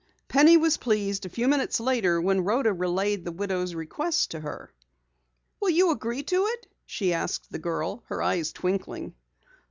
Penny was pleased a few minutes later when Rhoda relayed the widow's request to her. "Will you agree to it?" she asked the girl, her eyes twinkling.